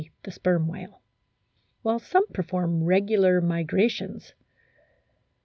the Sperm whale), while some perform regular migrations.